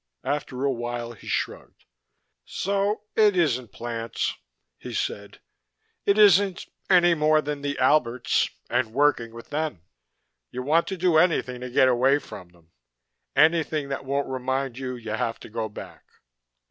After a while he shrugged. "So it isn't plants," he said. "It isn't any more than the Alberts and working with them. You want to do anything to get away from them anything that won't remind you you have to go back."